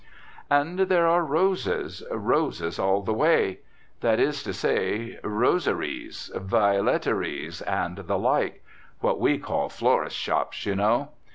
And there are roses, roses all the way. That is to say, "roseries," "violeteries," and the like what we call florists' shops, you know.